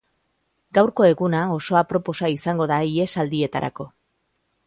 Gaurko eguna oso aproposa izango da ihesaldietarako.